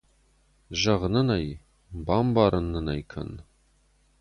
Зӕгъ нын ӕй, бамбарын нын ӕй кӕн!